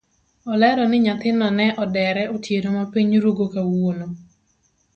Olero ni nyathino ne odere otieno mapiny rugo kawuono.